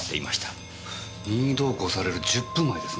任意同行される１０分前ですね。